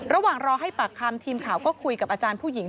ระหว่างรอให้ปากคำทีมข่าวก็คุยกับอาจารย์ผู้หญิง